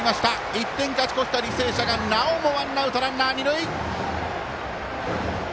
１点勝ち越した、履正社がなおもワンアウトランナー、二塁。